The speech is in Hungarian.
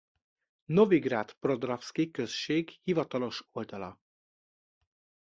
Novigrad Podravski község hivatalos oldala